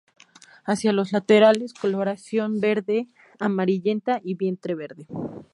Hacia los laterales coloración verde amarillenta y vientre verde.